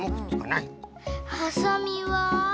はさみは？